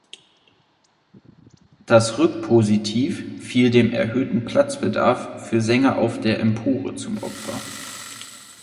Das Rückpositiv fiel dem erhöhten Platzbedarf für Sänger auf der Empore zum Opfer.